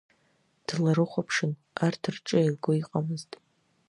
Дларыхәаԥшын, арҭ рҿы еилго иҟамызт.